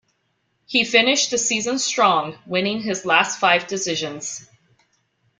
He finished the season strong, winning his last five decisions.